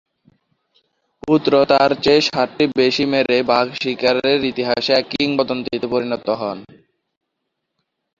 পুত্র তার চেয়ে সাতটি বেশি মেরে বাঘ শিকারের ইতিহাসে এক কিংবদন্তিতে পরিণত হন।